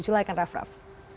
silahkan raff raff